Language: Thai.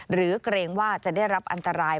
เกรงว่าจะได้รับอันตราย